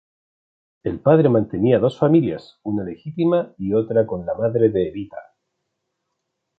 El padre mantenía dos familias, una legítima y otra con la madre de "Evita".